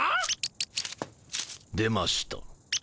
出ました。